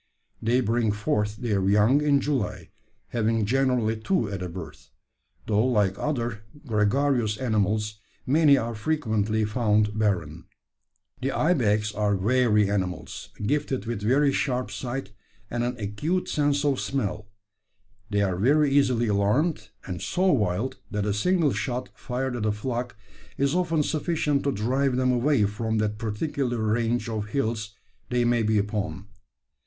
They bring forth their young in July, having generally two at a birth; though, like other gregarious animals, many are frequently found barren. "`The ibex are wary animals, gifted with very sharp sight and an acute sense of smell. They are very easily alarmed, and so wild, that a single shot fired at a flock is often sufficient to drive them away from that particular range of hills they may be upon.